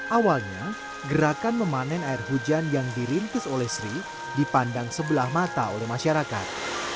awalnya gerakan memanen air hujan yang dirintis oleh sri dipandang sebelah mata oleh masyarakat